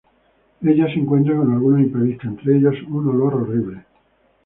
Ella se encuentra con algunos imprevistos, entre ellos, un olor horrible.